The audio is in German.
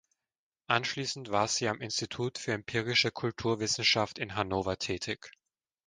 Anschließend war sie am Institut für Empirische Kulturwissenschaft in Hannover tätig.